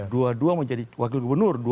dua dua menjadi wakil gubernur